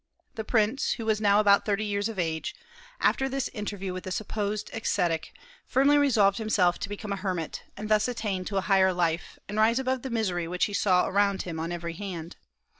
The prince, who was now about thirty years of age, after this interview with the supposed ascetic, firmly resolved himself to become a hermit, and thus attain to a higher life, and rise above the misery which he saw around him on every hand.